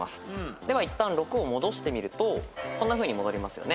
ではいったん６を戻してみるとこんなふうに戻りますよね。